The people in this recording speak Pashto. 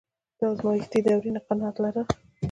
د ازمایښتي دورې نه قناعت لرل.